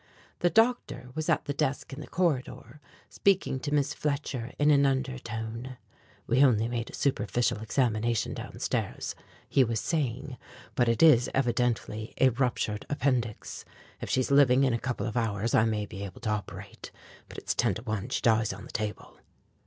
The doctor was at the desk in the corridor, speaking to Miss Fletcher in an undertone: "We only made a superficial examination down stairs," he was saying, "but it is evidently a ruptured appendix. If she's living in a couple of hours I may be able to operate. But it's ten to one she dies on the table."